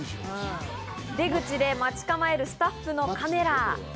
出口で待ち構えるスタッフのカメラ。